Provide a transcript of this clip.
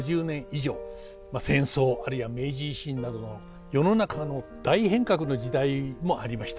まあ戦争あるいは明治維新などの世の中の大変革の時代もありました。